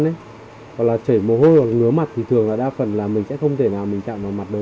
hoặc là chảy mồ hôi hoặc ngứa mặt thì thường là đa phần là mình sẽ không thể nào mình chạm vào mặt đấy